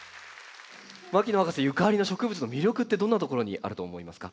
牧野博士ゆかりの植物の魅力ってどんなところにあると思いますか？